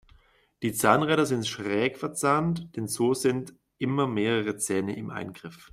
Die Zahnräder sind schräg verzahnt, denn so sind immer mehrere Zähne im Eingriff.